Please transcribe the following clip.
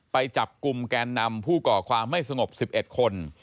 ไปจับกลุ่มแกนนำผู้ก่อความไม่สงบ๑๑คน